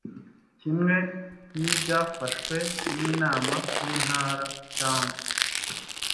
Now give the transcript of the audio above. kimwe n ibyafashwe n inama y intara cyangwa